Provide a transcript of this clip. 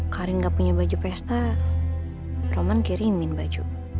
karin gak punya baju pesta roman kirimin baju